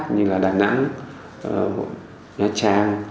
như là đà nẵng nha trang